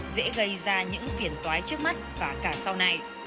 dễ gây ra những phiền toái trước mắt và cả sau này